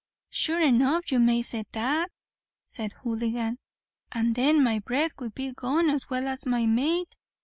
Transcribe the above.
"Sure enough you may say that," said Houligan; "and then my bread would be gone as well as my mate.